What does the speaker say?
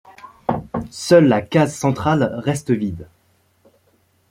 Seule la case centrale reste vide.